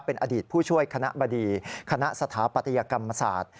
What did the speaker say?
เป็นอดีตผู้ช่วยคณะบดีคณะสถาปัตยกรรมศาสตร์